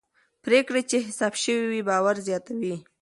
پرېکړې چې حساب شوي وي باور زیاتوي